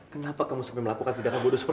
sangat kecewa lihat itu pangsun